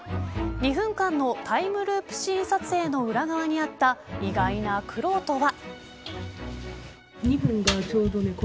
２分間のタイムループシーン撮影の裏側にあった意外な苦労とは。